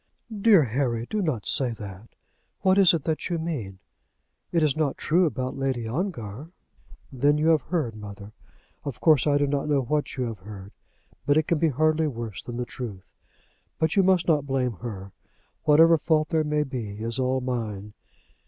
"Dear Harry, do not say that. What is it that you mean? It is not true about Lady Ongar?" "Then you have heard, mother. Of course I do not know what you have heard, but it can hardly be worse than the truth. But you must not blame her. Whatever fault there may be, is all mine."